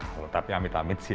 tapi tapi amit amit sih ya